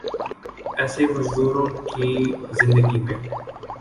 یسے مزدوروں کی زندگی میں